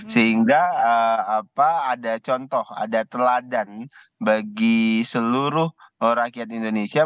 sehingga ada contoh ada teladan bagi seluruh rakyat indonesia